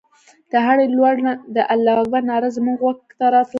د هرې لور نه د الله اکبر ناره زموږ غوږو ته راتلله.